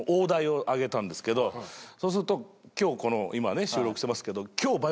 そうすると今日この今ね収録してますけど。